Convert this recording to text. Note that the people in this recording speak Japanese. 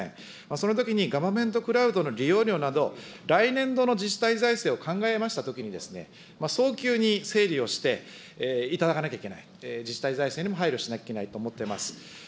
そのときにガバメントクラウドの利用料など、来年度の自治体財政を考えましたときに、早急に整理をしていただかなきゃいけない、自治体財政にも配慮しなきゃいけないと思っています。